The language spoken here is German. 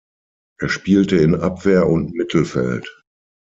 Er spielte in Abwehr und Mittelfeld.